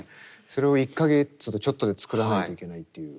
それを１か月とちょっとで作らないといけないっていう。